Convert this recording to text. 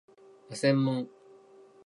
凱旋門